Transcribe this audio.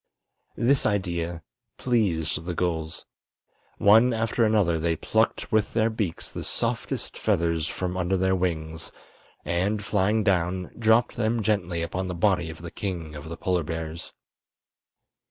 This idea pleased the gulls. One after another they plucked with their beaks the softest feathers from under their wings, and, flying down, dropped then gently upon the body of the King of the Polar Bears.